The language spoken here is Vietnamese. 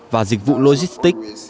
và dịch vụ logistic